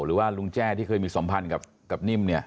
หรือว่าลุงแจ้ที่เคยมีสัมพันธ์กับนิ่ม